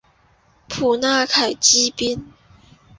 普纳凯基边上。